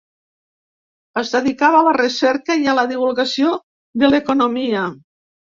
Es dedicava a la recerca i a la divulgació de l’economia.